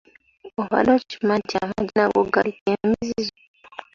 Obadde okimanyi nti amagi n’ago galiko emizizo?